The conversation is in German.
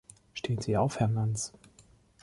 Stehen Sie auf, Herr Nans!